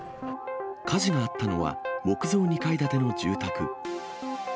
火事があったのは、木造２階建ての住宅。